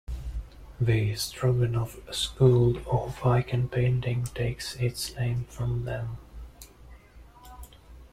The Stroganov School of icon-painting takes its name from them.